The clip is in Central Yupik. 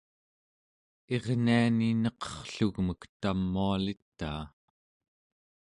irniani neqerrlugmek tamualitaa